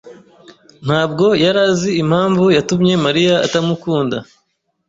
ntabwo yari azi impamvu yatumye Mariya atamukunda.